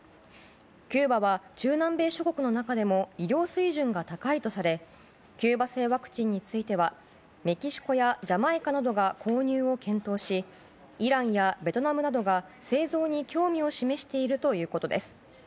キューバは中南米諸国の中でも医療水準が高いとされキューバ製ワクチンについてはメキシコやジャマイカなどが購入を検討しイランやベトナムなどが製造に興味を示しているということです。